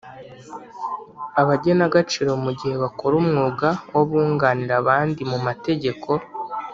Abagenagaciro mu gihe bakora umwuga w’abunganira abandi mu mategeko